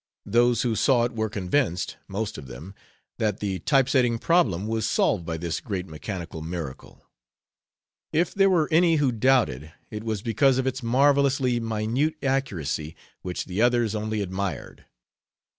Those who saw it were convinced most of them that the type setting problem was solved by this great mechanical miracle. If there were any who doubted, it was because of its marvelously minute accuracy which the others only admired.